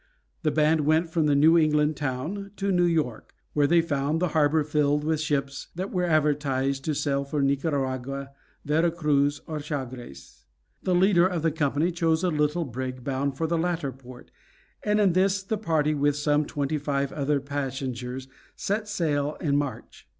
The band went from the New England town to New York, where they found the harbor filled with ships that were advertised to sail for Nicaragua, Vera Cruz, or Chagres. The leader of the company chose a little brig bound for the latter port, and in this the party, with some twenty five other passengers, set sail in March.